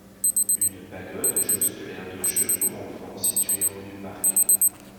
Une pagode jouxte l'aire de jeux pour enfants située en haut du parc.